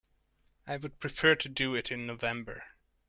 I would prefer to do it in November.